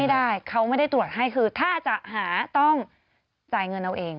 ไม่ได้เขาไม่ได้ตรวจให้คือถ้าจะหาต้องจ่ายเงินเอาเอง